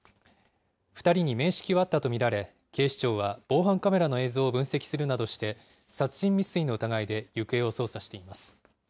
２人に面識はあったと見られ、警視庁は防犯カメラの映像を分析するなどして、殺人未遂の疑いで行方を捜査しています。